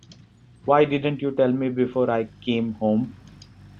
Why didn't you tell me before I came home?